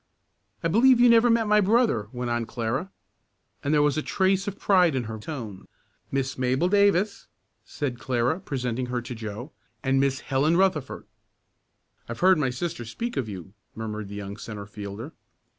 "I believe you never met my brother," went on Clara, and there was a trace of pride in her tone. "Miss Mabel Davis," said Clara, presenting her to Joe, "and Miss Helen Rutherford." "I've heard my sister speak of you," murmured the young centre fielder.